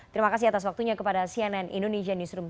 terima kasih atas waktunya kepada cnn indonesia newsroom